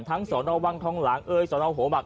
ทั้งส่อนราววังท้องหลังส่อนราวหัวบัคเอ้ย